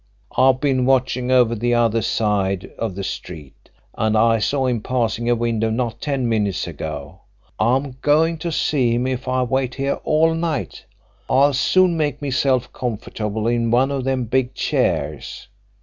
"I've been watching over the other side of the street, and I saw him passing a window not ten minutes ago. I'm going to see him if I wait here all night. I'll soon make meself comfortable on one of them big chairs."